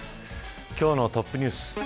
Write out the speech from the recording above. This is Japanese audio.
今日のトップニュース。